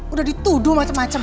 udah dituduh macem macem